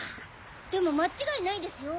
でも間違いないですよ